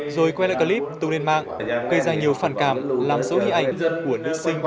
rồi quay lại clip từ nền mạng gây ra nhiều phản cảm làm dấu ý ảnh của nữ sinh